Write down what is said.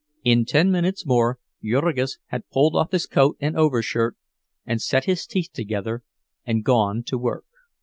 In ten minutes more Jurgis had pulled off his coat and overshirt, and set his teeth together and gone to work.